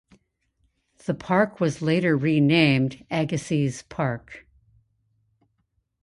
The park was later renamed Agassiz Park.